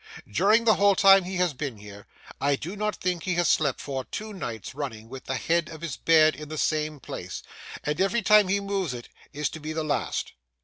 During the whole time he has been here, I do not think he has slept for two nights running with the head of his bed in the same place; and every time he moves it, is to be the last.